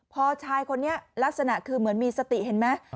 พอชายคนนี้ลักษณะคือเหมือนมีสติเห็นไหม